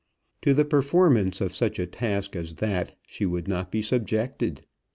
To the performance of such a task as that she would not be subjected.